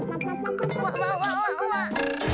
わわわわわイタ！